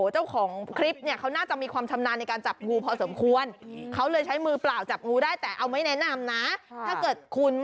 ๔ตัวนะครับงั้นแนะนำให้ซื้อไอ้เจ้าไม้วิเศษอันนี้นะ